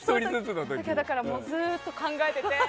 だから、ずっと考えてて。